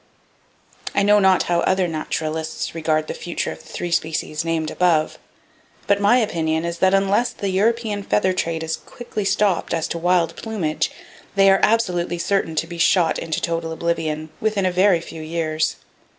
I know not how other naturalists regard the future of the three species named above, but my opinion is that unless the European feather trade is quickly stopped as to wild plumage, they are absolutely certain to be shot into total oblivion, within a very few years.